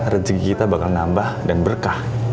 rezeki kita bakal nambah dan berkah